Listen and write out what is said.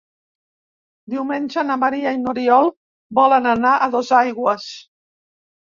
Diumenge na Maria i n'Oriol volen anar a Dosaigües.